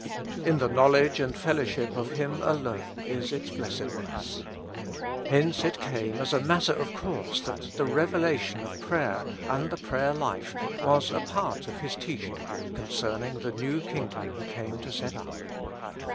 In the knowledge and fellowship of Him alone is its blessedness. Hence it came as a matter of course that the revela tion of prayer and the prayer life was a part of His teaching concerning the New Kingdom He came to set up.